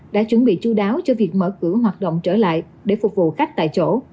đã chuẩn bị chú đáo cho việc mở cửa hoạt động trở lại để phục vụ khách tại chỗ